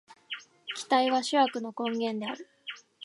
期待は諸悪の根源である。